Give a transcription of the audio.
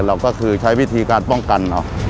เราก็คือใช้วิธีการป้องกันเนอะ